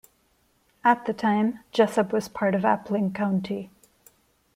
At the time Jesup was part of Appling County.